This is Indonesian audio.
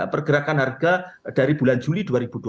pergerakan harga dari bulan juli dua ribu dua puluh